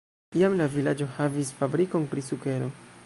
Iam la vilaĝo havis fabrikon pri sukero.